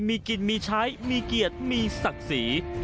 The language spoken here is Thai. มีกินมีใช้มีเกียรติมีศักดิ์ศรี